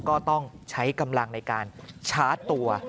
ก็ต้องใช้กำลังในการชาร์จตัว